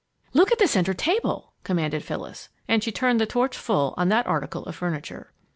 "Look on the center table!" commanded Phyllis, and she turned the torch full on that article of furniture.